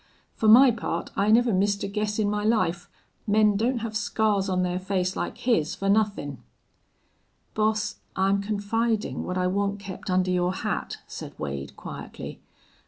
Fer my part, I never missed a guess in my life. Men don't have scars on their face like his fer nothin'." "Boss, I'm confidin' what I want kept under your hat," said Wade, quietly.